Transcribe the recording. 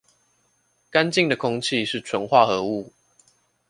乾淨的空氣是純化合物